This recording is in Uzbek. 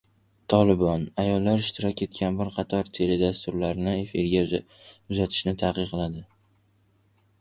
“Tolibon” ayollar ishtirok etgan bir qator teledasturlarni efirga uzatishni taqiqladi